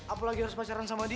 apalagi harus pacaran sama di